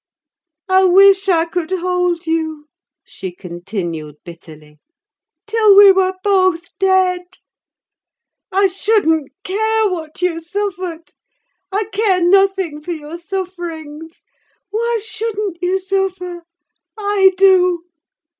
"I wish I could hold you," she continued, bitterly, "till we were both dead! I shouldn't care what you suffered. I care nothing for your sufferings. Why shouldn't you suffer? I do!